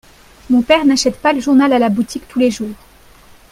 Mon père n'achète pas le journal à la boutique tous les jours.